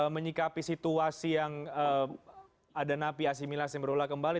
menyikapi situasi yang ada napi asimilasi yang berulang kembali